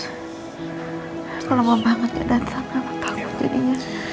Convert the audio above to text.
aku lama banget gak datang sama kamu jadinya